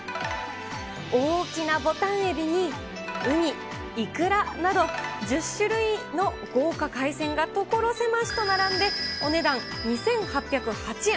大きなボタンエビに、ウニ、イクラなど、１０種類の豪華海鮮が所狭しと並んで、お値段２８０８円。